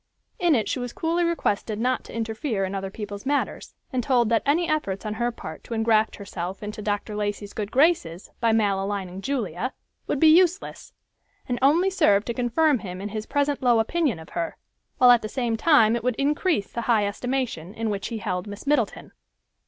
In it she was coolly requested not to interfere in other people's matters, and told that any efforts on her part to engraft herself into Dr. Lacey's good graces by maligning Julia, would be useless, and only serve to confirm him in his present low opinion of her, while at the same time it would increase the high estimation in which he held Miss Middleton!